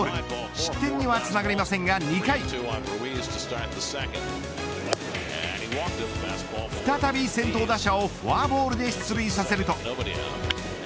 失点にはつながりませんが、２回再び先頭打者をフォアボールで出塁させると。